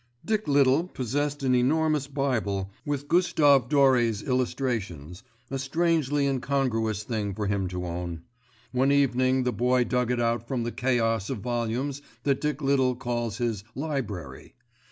Dick Little possessed an enormous bible with Gustave Doré's illustrations, a strangely incongruous thing for him to own. One evening the Boy dug it out from the chaos of volumes that Dick Little calls his "library."